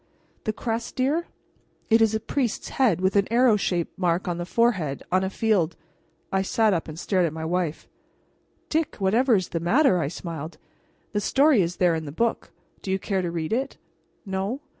"The crest, dear? It is a priest's head with an arrow shaped mark on the forehead, on a field " I sat up and stared at my wife. "Dick, whatever is the matter?" she smiled. "The story is there in that book. Do you care to read it? No?